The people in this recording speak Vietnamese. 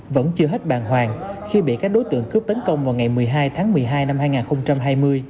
vẫn chưa hết bàng hoàng khi bị các đối tượng cướp tấn công vào ngày một mươi hai tháng một mươi hai năm hai nghìn hai mươi